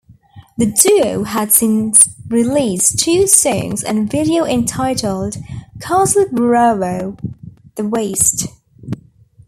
The duo have since released two songs and video entitled, "Castle Bravo" "The Waste".